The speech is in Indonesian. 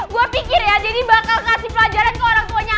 gue pikir ya jadi bakal ngasih pelajaran ke orang tuanya